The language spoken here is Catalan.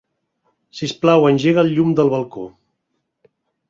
Sisplau, engega el llum del balcó.